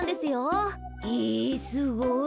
へえすごい。